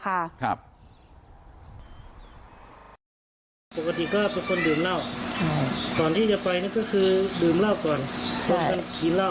ปกติก็เป็นคนดื่มเหล้า